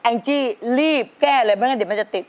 แอนจิรีบแก้เลยเมื่อกันเดี๋ยวมันจะติด